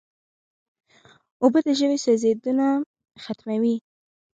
اوبه د ژبې سوځیدنه ختموي.